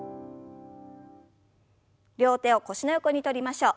両手を腰の横に取りましょう。